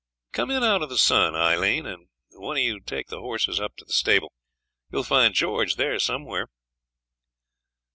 Come in out of the sun, Aileen; and one of you take the horses up to the stable. You'll find George there somewhere.'